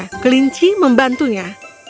sebelumnya kelinci membantunya